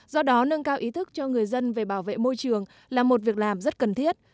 do đó nâng cao ý thức cho người dân về bảo vệ môi trường là một việc làm rất cần thiết